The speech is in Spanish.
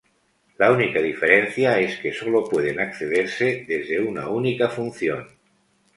La única diferencia es que sólo pueden accederse desde una única función.